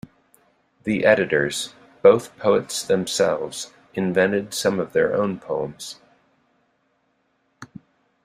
The editors, both poets themselves, invented some of their own poems.